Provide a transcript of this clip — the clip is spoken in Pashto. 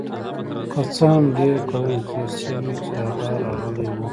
که څه هم ډیر کلونه تیر شوي چې هغه راغلی و